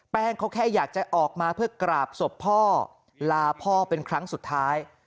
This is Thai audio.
เขาแค่อยากจะออกมาเพื่อกราบศพพ่อลาพ่อเป็นครั้งสุดท้าย